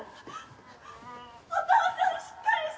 お父さんしっかりして！